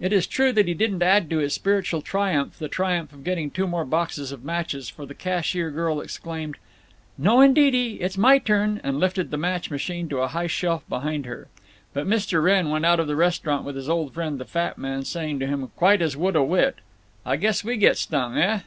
It is true that he didn't add to this spiritual triumph the triumph of getting two more boxes of matches, for the cashier girl exclaimed, "No indeedy; it's my turn!" and lifted the match machine to a high shelf behind her. But Mr. Wrenn went out of the restaurant with his old friend, the fat man, saying to him quite as would a wit, "I guess we get stung, eh?"